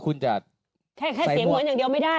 คุณจะแค่เสียงเหมือนอย่างเดียวไม่ได้